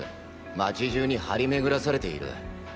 街中に張り巡らされている。